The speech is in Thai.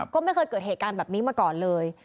ก็ไม่เคยเกิดเหตุการณ์แบบนี้มาก่อนเลย